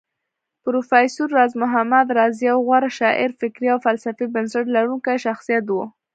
پروفېسر راز محمد راز يو غوره شاعر فکري او فلسفي بنسټ لرونکی شخصيت و